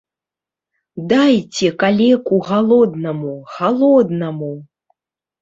Дайце калеку галоднаму, халоднаму!